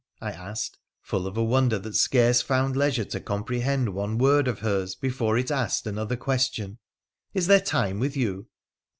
' I asked, full of a wonder that scarce found leisure to comprehend one word of hers before it asked another question. ' Is there time with you